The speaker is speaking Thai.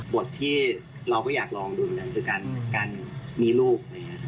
บทที่เราก็อยากลองดูคือการมีลูก